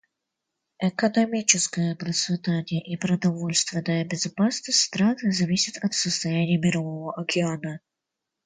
Экономическое процветание и продовольственная безопасность стран зависят от состояния Мирового океана.